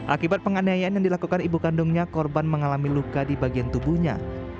akibat penganiayaan yang dilakukan ibu kandungnya korban mengalami luka di bagian tubuhnya